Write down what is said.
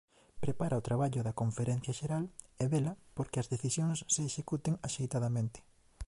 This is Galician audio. Prepara o traballo da Conferencia Xeral e vela porque as decisións se executen axeitadamente.